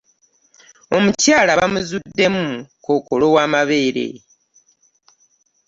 Omukyala baamuzuddemu kookolo w'amabeere.